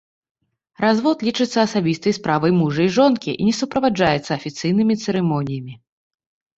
Развод лічыцца асабістай справай мужа і жонкі і не суправаджаецца афіцыйнымі цырымоніямі.